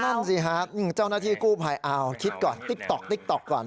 นั่นสิครับเจ้าหน้าที่กู้ภัยคิดก่อนติ๊กต๊อกก่อน